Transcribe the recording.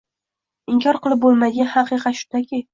Inkor qilib bo‘lmaydigan haqiqat shundaki